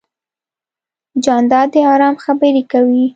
جانداد د ارام خبرې کوي.